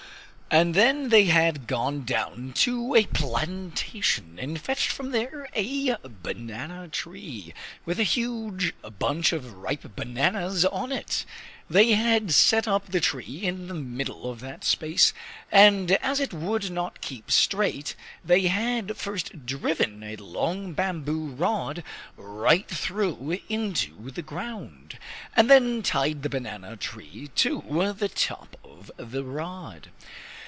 And then they had gone to a plantation and fetched from there a banana tree, with a huge bunch of ripe bananas on it. They had set up the tree in the middle of that space; and as it would not keep straight, they had first driven a long bamboo rod right through into the ground, and then tied the banana tree to the top of the rod.